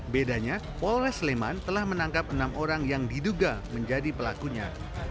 bedanya polres sleman telah menangkap enam orang yang diduga menjadi pelakunya